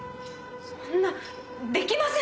そんなできません！